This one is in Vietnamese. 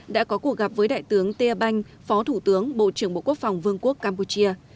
đã có cuộc gặp với đại tướng tia banh phó thủ tướng bộ trưởng bộ quốc phòng vương quốc campuchia